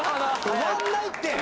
終わんないって。